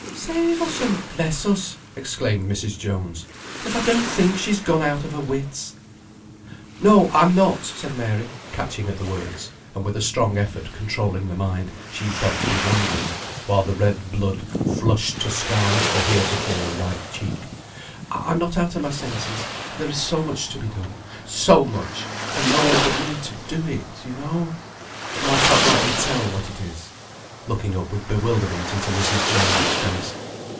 "Save us, and bless us!" exclaimed Mrs. Jones, "if I don't think she's gone out of her wits!" "No, I'm not!" said Mary, catching at the words, and with a strong effort controlling the mind she felt to be wandering, while the red blood flushed to scarlet the heretofore white cheek, "I'm not out of my senses; there is so much to be done so much and no one but me to do it, you know, though I can't rightly tell what it is," looking up with bewilderment into Mrs. Jones's face.